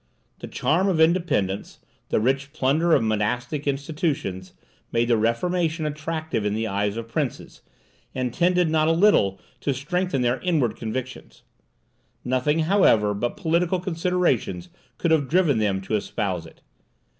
The charm of independence, the rich plunder of monastic institutions, made the Reformation attractive in the eyes of princes, and tended not a little to strengthen their inward convictions. Nothing, however, but political considerations could have driven them to espouse it.